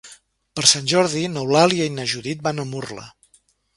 Per Sant Jordi n'Eulàlia i na Judit van a Murla.